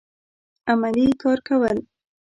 عملي کار کول